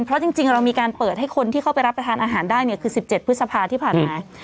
เพราะจริงเรามีการเปิดให้คนที่เข้าไปรับประทานอาหารได้เนี่ยคือ๑๗พฤษภาที่ผ่านมา